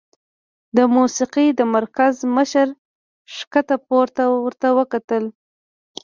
د موسيقۍ د مرکز مشر ښکته پورته ورته وکتل